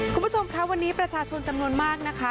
คุณผู้ชมค่ะวันนี้ประชาชนจำนวนมากนะคะ